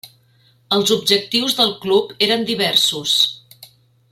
Els objectius del club eren diversos.